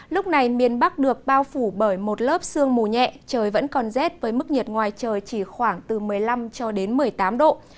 lúc này miền bắc được bao phủ bởi một lớp sương mù nhẹ trời vẫn còn rét với mức nhiệt ngoài trời chỉ khoảng từ một mươi năm cho đến một mươi tám độ